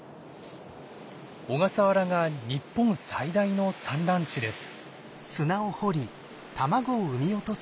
小笠原が日本最大の産卵地です。